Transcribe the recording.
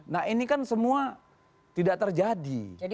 nah ini kan semua tidak terjadi